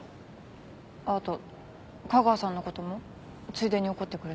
あと架川さんの事もついでに怒ってくれて。